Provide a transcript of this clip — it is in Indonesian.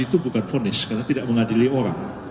itu bukan fonis karena tidak mengadili orang